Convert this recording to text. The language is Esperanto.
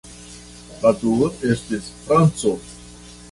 La dua estis franco.